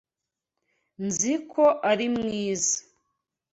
Nzi ko ari mwiza.